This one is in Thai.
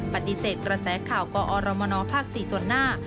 ปฏิเสธกระแสข่าวกอรมนภ๔ส่วนหน้า